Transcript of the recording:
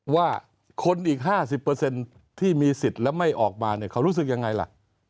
ว่าคนอีก๕๐ที่มีสิทธิ์และไม่ออกมาเนี่ยเขารู้สึกยังไงล่ะ